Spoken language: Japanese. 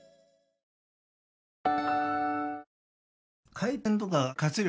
回転とか活力